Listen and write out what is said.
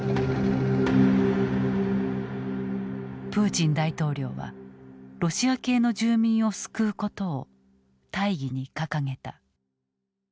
プーチン大統領はロシア系の住民を救うことを大義に掲げた。